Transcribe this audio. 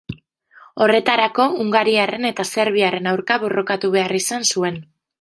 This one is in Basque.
Horretarako hungariarren eta serbiarren aurka borrokatu behar izan zuen.